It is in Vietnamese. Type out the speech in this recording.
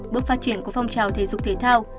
bước phát triển của phong trào thể dục thể thao